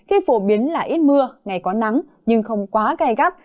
khi phổ biến là ít mưa ngày có nắng nhưng không quá gai gắt